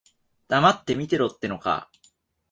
黙って見てろってのか。